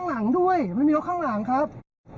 มันมีรถข้างหลังครับ